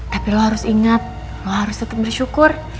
tapi lo harus ingat lo harus tetap bersyukur